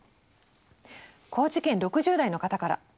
高知県６０代の方から。